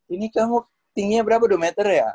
ini kamu tingginya berapa dua meter ya